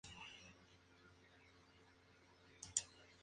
¿él bebía?